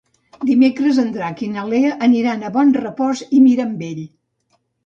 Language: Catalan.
Dimecres en Drac i na Lea aniran a Bonrepòs i Mirambell.